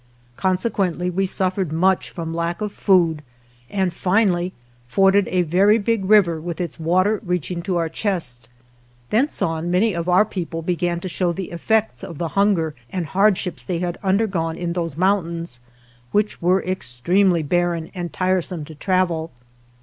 Consequently we suffered much from lack of food, and finally forded a very big river, with its water reaching to our chest. Thence on many of our people began to show the effects of the hunger and hard ships they had undergone in those moun tains, which were extremely barren and tire some to travel.